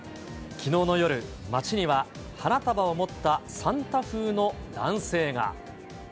きのうの夜、街には花束を持ったサンタ風の男性が。